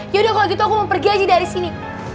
yaudah kalau gitu aku mau pergi aja dari sini